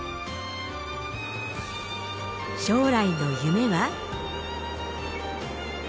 将来の夢は？